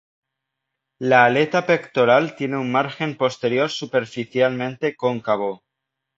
La aleta pectoral tiene un margen posterior superficialmente cóncavo.